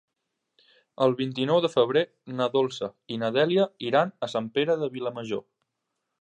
El vint-i-nou de febrer na Dolça i na Dèlia iran a Sant Pere de Vilamajor.